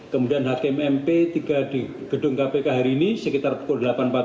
kemudian hakim mp tiba di gedung kpk hari ini sekitar pukul delapan empat puluh